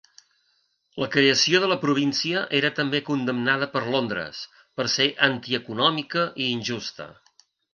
La creació de la província era també condemnada per Londres, per ser antieconòmica i injusta.